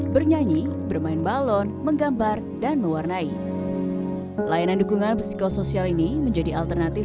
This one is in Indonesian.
bernyanyi bermain balon menggambar dan mewarnai layanan dukungan psikosoial ini menjadi alternatif